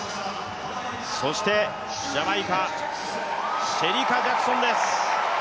そしてジャマイカシェリカ・ジャクソンです。